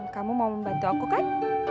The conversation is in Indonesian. kamu mau membantu aku kan